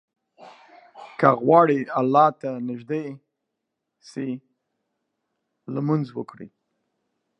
که غواړې الله ته نيږدى سې، لمونځ وکړه.